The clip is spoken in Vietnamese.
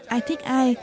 ai thích ai